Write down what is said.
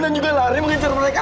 dan juga lari mengincar mereka